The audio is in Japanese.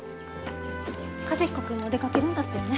和彦君も出かけるんだったよね？